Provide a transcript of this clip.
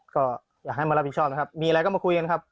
ก็อยากให้มารับผิดชอบนะครับมีอะไรก็มาคุยกันครับ